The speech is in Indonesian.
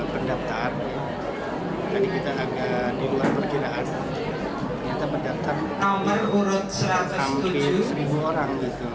pendaftaran tadi kita agak di luar perkiraan kita mendaftar sampai seribu orang gitu